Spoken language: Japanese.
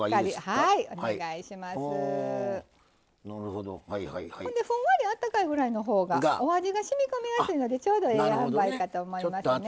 ほんでふんわりあったかいぐらいのほうがお味がしみこみやすいのでちょうどええあんばいかと思いますね。